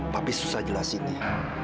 papi susah jelasinnya